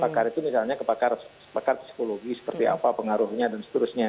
pakar itu misalnya sepakat psikologi seperti apa pengaruhnya dan seterusnya